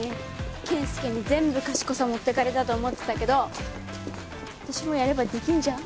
慶介に全部賢さ持ってかれたと思ってたけど私もやればできんじゃん。